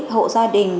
hộ gia đình